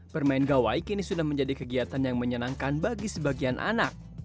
bermain gawai kini sudah menjadi kegiatan yang menyenangkan bagi sebagian anak